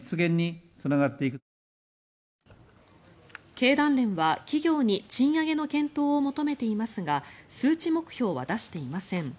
経団連は企業に賃上げの検討を求めていますが数値目標は出していません。